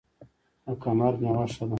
د کهمرد میوه ښه ده